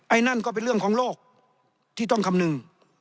นั่นก็เป็นเรื่องของโลกที่ต้องคำนึง